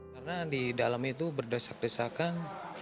karena di dalam itu berdesak desakan